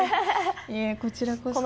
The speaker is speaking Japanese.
いえこちらこそ。